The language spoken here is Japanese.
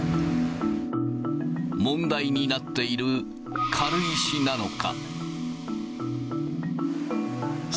問題になっている軽石なのか。